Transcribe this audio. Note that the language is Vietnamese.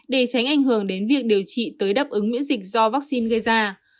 để tránh ảnh hưởng đến việc điều trị tới đáp ứng miễn dịch do vaccine gây ra